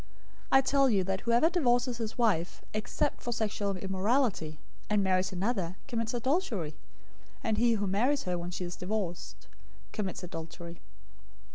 019:009 I tell you that whoever divorces his wife, except for sexual immorality, and marries another, commits adultery; and he who marries her when she is divorced commits adultery."